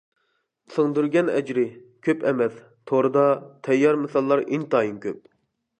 سىڭدۈرگەن ئەجرى: كۆپ ئەمەس، توردا تەييار مىساللار ئىنتايىن كۆپ.